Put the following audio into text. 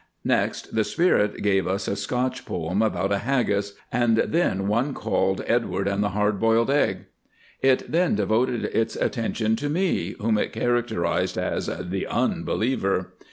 Next the spirit gave us a Scotch poem about a haggis, and then one called "Edward and the Hard Boiled Egg." It then devoted its attention to me, whom it characterised as the "Unbeliever."